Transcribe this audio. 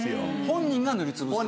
本人が塗りつぶす？